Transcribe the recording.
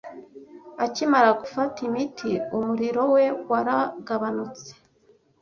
Akimara gufata imiti, umuriro we waragabanutse.